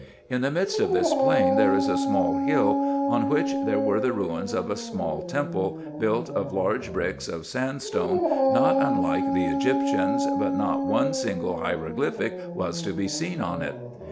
In the midst of this plain there is a small hill on which there were the ruins of a small temple, built of large bricks of sand stone not unlike the Egyptian, but not one single hieroglyphic was to be seen on it.